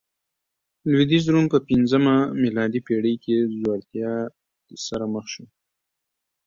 لوېدیځ روم په پنځمه میلادي پېړۍ کې ځوړتیا سره مخ شو